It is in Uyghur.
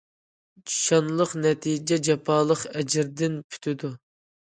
شانلىق نەتىجە جاپالىق ئەجىردىن پۈتىدۇ.